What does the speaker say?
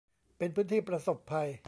เป็นพื้นที่ประสบภัย